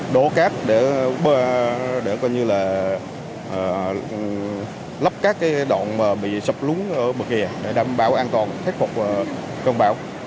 đổ cát để lắp các đoạn bị sập lúng ở bờ kìa để đảm bảo an toàn thách phục cơn bão